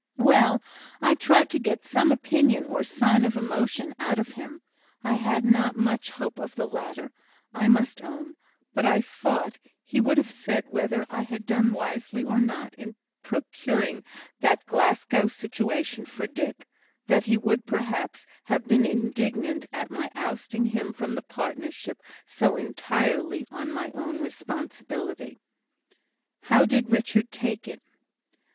"Well, I tried to get some opinion, or sign of emotion, out of him. I had not much hope of the latter, I must own; but I thought he would have said whether I had done wisely or not in procuring that Glasgow situation for Dick that he would, perhaps, have been indignant at my ousting him from the partnership so entirely on my own responsibility." "How did Richard take it?"